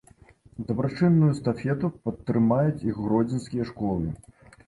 Дабрачынную эстафету падтрымаюць і гродзенскія школы.